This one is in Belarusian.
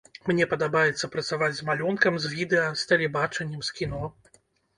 Мне падабаецца працаваць з малюнкам, з відэа, з тэлебачаннем, з кіно.